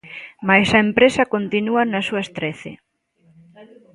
Mais a empresa continúa nas súas trece.